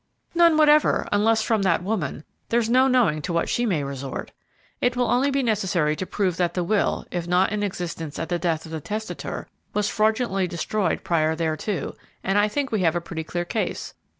"None whatever, unless from that woman; there's no knowing to what she may resort. It will only be necessary to prove that the will, if not in existence at the death of the testator, was fraudulently destroyed prior thereto, and I think we have a pretty clear case.